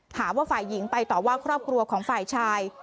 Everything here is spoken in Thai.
ถามว่าฝ่ายหญิงไปต่อว่าครอบครัวของฝ่ายชาย